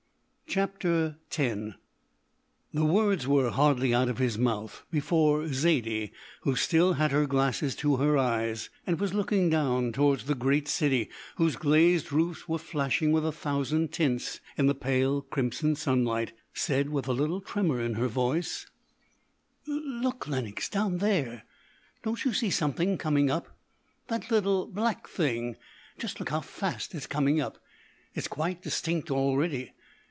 CHAPTER X The words were hardly out of his mouth before Zaidie, who still had her glasses to her eyes, and was looking down towards the great city whose glazed roofs were flashing with a thousand tints in the pale crimson sunlight, said with a little tremor in her voice: "Look, Lenox, down there don't you see something coming up? That little black thing. Just look how fast it's coming up; it's quite distinct already.